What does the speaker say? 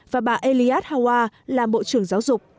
và bà elias hawa làm bộ trưởng giáo dục